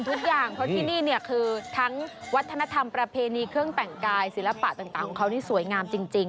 ทุกอย่างเพราะที่นี่เนี่ยคือทั้งวัฒนธรรมประเพณีเครื่องแต่งกายศิลปะต่างของเขานี่สวยงามจริง